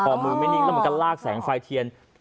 พอมือไม่นิ่งแล้วมันก็ลากแสงไฟเทียน